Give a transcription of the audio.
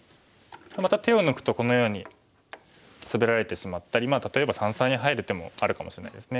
また手を抜くとこのようにスベられてしまったり例えば三々に入る手もあるかもしれないです。